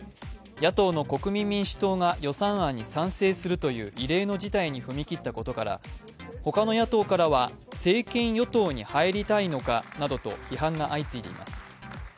野党の国民民主党が予算案に賛成するという異例の事態に踏み切ったことからほかの野党からは政権与党に入りたいのかなどと、批判が相次いでいます。